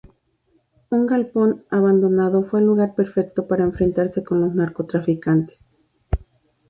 Un galpón abandonado fue el lugar perfecto para enfrentarse con los narcotraficantes.